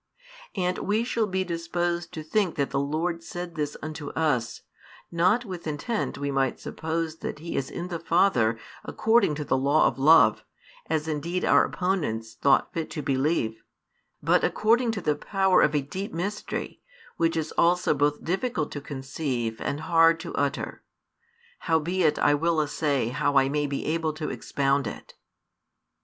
And we shall be disposed to think that the Lord said this unto us, not with intent we might suppose that He is in the Father according to the law of love, as indeed our opponents thought fit to believe, but according to the power of a deep mystery, which is also both difficult to conceive, and hard to utter; howbeit I will essay how I may be able to expound it.